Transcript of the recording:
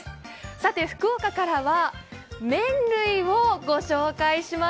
さて、福岡からは麺類をご紹介します。